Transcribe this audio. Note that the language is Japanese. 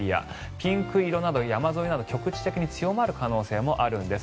ピンク色など山沿いなど局地的に強まる可能性もあるんです。